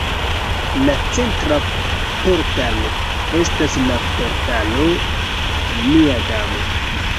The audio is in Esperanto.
La centra portalo estas la Portalo Nia Damo.